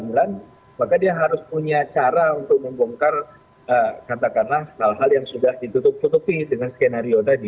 maka dia harus punya cara untuk membongkar katakanlah hal hal yang sudah ditutup tutupi dengan skenario tadi